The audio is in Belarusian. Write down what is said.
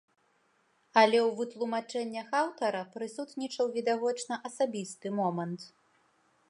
Але ў вытлумачэннях аўтара прысутнічаў відавочна асабісты момант.